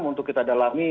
untuk kita dalami